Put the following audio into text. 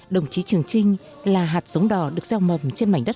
đồng chí trường trinh là hạt giống đỏ được gieo mầm trên mảnh đất